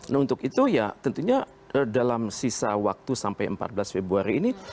nah untuk itu ya tentunya dalam sisa waktu sampai empat belas februari ini